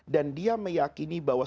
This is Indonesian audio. dan dia meyakini bahwa